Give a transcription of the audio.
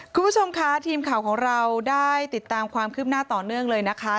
คุณผู้ชมคะทีมข่าวของเราได้ติดตามความคืบหน้าต่อเนื่องเลยนะคะ